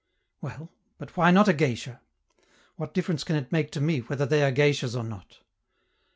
"Well, but why not a geisha? What difference can it make to me whether they are geishas or not?"